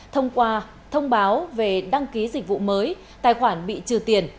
thông qua thông báo về đăng ký dịch vụ mới tài khoản bị trừ tiền